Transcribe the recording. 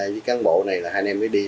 với cán bộ này là hai anh em mới đi